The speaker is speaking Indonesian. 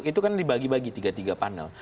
itu kan dibagi bagi tiga tiga panel